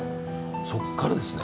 そこからですね。